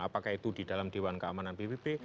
apakah itu di dalam dewan keamanan pbb